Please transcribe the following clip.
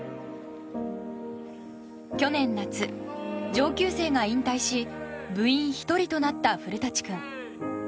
去年夏、上級生が引退し部員１人となった古舘君。